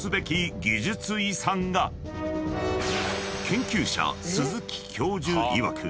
［研究者鈴木教授いわく